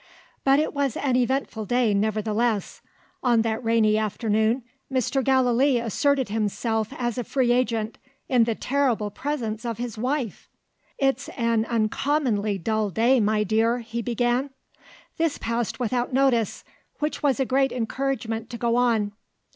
But it was an eventful day, nevertheless. On that rainy afternoon, Mr. Gallilee asserted himself as a free agent, in the terrible presence of his wife! "It's an uncommonly dull day, my dear," he began. This passed without notice, which was a great encouragement to go on.